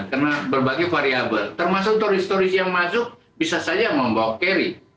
karena berbagai variabel termasuk turis turis yang masuk bisa saja membawa carrier